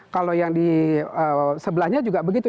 kalau yang di sebelahnya juga begitu